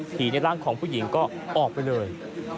ในร่างของผู้หญิงก็ออกไปเลย